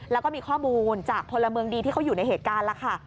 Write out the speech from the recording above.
แล้วก็มีข้อมูลจากพลเมืองดีที่เขาอยู่ในเหตุการณ์ล่ะค่ะ